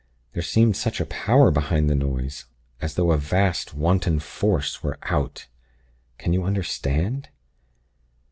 There seemed such a power behind the noise; as though a vast, wanton Force were 'out.' Can you understand?